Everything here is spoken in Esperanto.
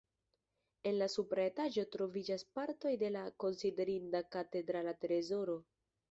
En la supra etaĝo troviĝas partoj de la konsiderinda katedrala trezoro.